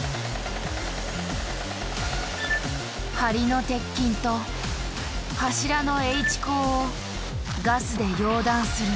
梁の鉄筋と柱のＨ鋼をガスで溶断する。